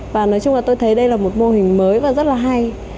và nói chung là tôi thấy đây là một mô hình mới và rất là hay